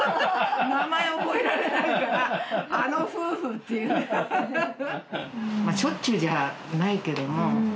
名前覚えられないから「あの夫婦」って言うフフフ。